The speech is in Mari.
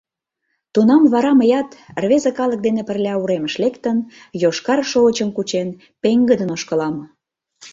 Тунам вара мыят, рвезе калык дене пырля уремыш лектын, йошкар шовычым кучен, пеҥгыдын ошкылам.